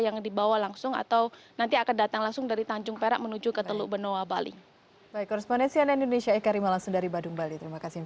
yang dibawa langsung atau nanti akan datang langsung dari tanjung perak menuju ke teluk benoa bali